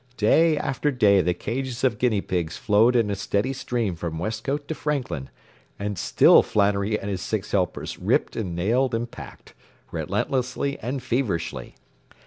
Day after day the cages of guineapigs flowed in a steady stream from Westcote to Franklin, and still Flannery and his six helpers ripped and nailed and packed relentlessly and feverishly.